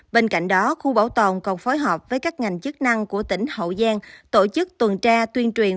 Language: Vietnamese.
bên cạnh đó khu bảo tồn còn phối hợp với các ngành chức năng của tỉnh hậu giang tổ chức tuần tra tuyên truyền